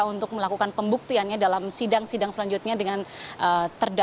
untuk melakukan pembuktiannya dalam sidang sidang selanjutnya dengan terdakwa setia novanto nantinya